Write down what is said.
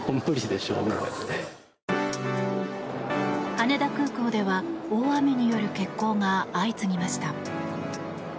羽田空港では大雨による欠航が相次ぎました。